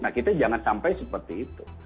nah kita jangan sampai seperti itu